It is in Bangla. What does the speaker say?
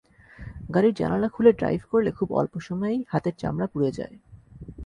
গাড়ির জানালা খুলে ড্রাইভ করলে খুব অল্প সময়েই হাতের চামড়া পুড়ে যায়।